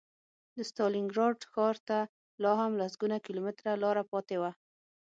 د ستالینګراډ ښار ته لا هم لسګونه کیلومتره لاره پاتې وه